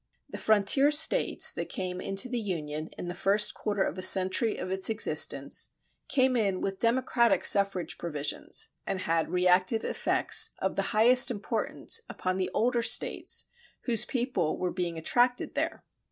The frontier States that came into the Union in the first quarter of a century of its existence came in with democratic suffrage provisions, and had reactive effects of the highest importance upon the older States whose peoples were being attracted there.